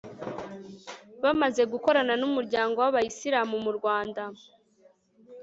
bamaze gukorana n'umuryango w'abayisilamu mu rwanda